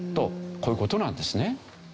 こういう事なんですね。